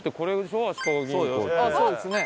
そうですね。